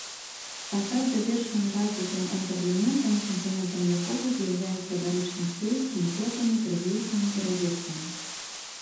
Фасад завершаны развітым антаблементам, кампанентам якога з'яўляецца дарычны фрыз з метопамі, трыгліфамі і разеткамі.